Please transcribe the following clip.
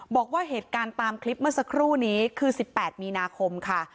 บอกว่าเหตุการณ์ตามคลิปเมื่อสักครู่นี้คือ๑๘มีนาคมค่ะ